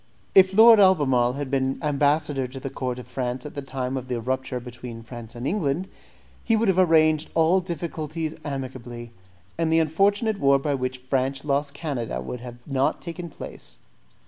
If Lord Albemarle had been ambassador to the court of France at the time of the rupture between France and England, he would have arranged all difficulties amicably, and the unfortunate war by which France lost Canada would not have taken place.